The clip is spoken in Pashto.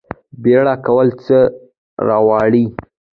بیړه کول څه راوړي؟